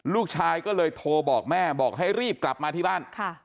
ลูกชายก็เลยโทรบอกแม่บอกให้รีบกลับมาที่บ้าน